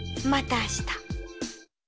また明日。